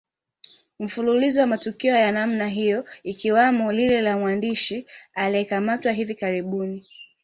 Mfululizo wa matukio ya namna hiyo ikiwamo lile la mwandishi aliyekamatwa hivi karibuni